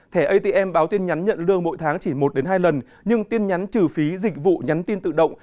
thẻ atm báo tin nhắn nhận lương mỗi tháng chỉ một hai lần nhưng tin nhắn trừ phí dịch vụ nhắn tin tự động